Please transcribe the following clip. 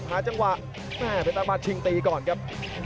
หาจังหวะเพชรสร้างบ้านชิงตีก่อนครับ